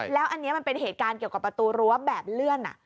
แล้วอันนี้มันเป็นเหตุการณ์เกี่ยวกับประตูรั้วแบบเลื่อน